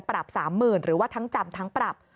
๓๐๐๐หรือว่าทั้งจำทั้งปรับ